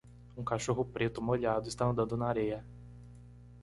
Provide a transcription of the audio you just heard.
Um cachorro preto molhado está andando na areia.